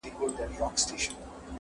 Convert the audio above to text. په دروغجنې تسلۍ تسلي مه راکوه